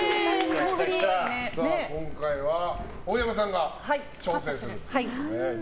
今回は大山さんが挑戦ということで。